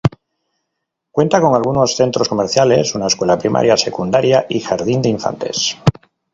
Cuenta con algunos centros comerciales, una escuela primaria, secundario y jardín de infantes.